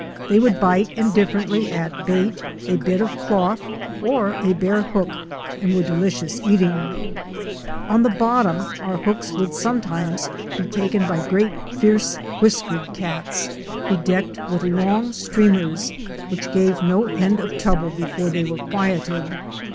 They would bite indifferently at bait, a bit of cloth, or a bare hook, and were delicious eating. On the bottom our hooks would sometimes be taken by great fierce whiskered cats, 14 OUR SEARCH FOR A WILDERNESS. bedecked with long streamers, which gave no end of trouble before they were quieted.